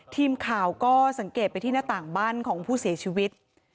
ทีมข่าวก็สังเกตไปที่หน้าต่างบ้านของผู้เสียชีวิต